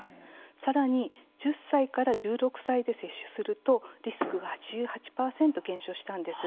さらに１０歳から１６歳で接種するとリスクが８８％減少したんです。